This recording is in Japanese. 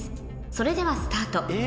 それではスタートえ？